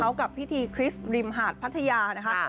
เขากับพิธีคริสต์ริมหาดพัทยานะคะ